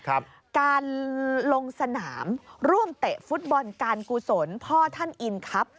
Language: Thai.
การลงสนามร่วมเตะฟุตบอลการกุศลพ่อท่านอินครับ